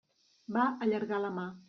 Va allargar la mà.